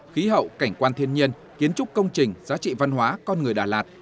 khí hậu cảnh quan thiên nhiên kiến trúc công trình giá trị văn hóa con người đà lạt